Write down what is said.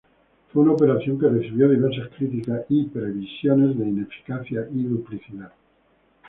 Fue una operación que recibió diversas críticas y previsiones de ineficacia y duplicidad.